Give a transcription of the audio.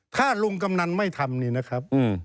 ถ้าลุงกำนันไม่ทำนี่นะครับ